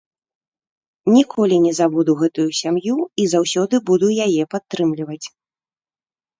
Ніколі не забуду гэтую сям'ю і заўсёды буду яе падтрымліваць.